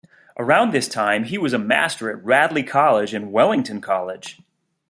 Around this time, he was a master at Radley College and Wellington College.